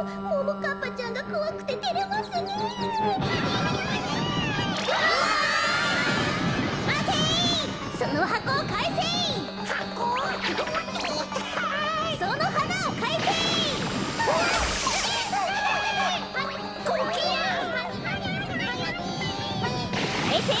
かえせ！